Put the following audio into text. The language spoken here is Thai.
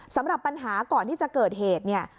สำหรับปัญหาก่อนที่จะเกิดเหตุเนี่ย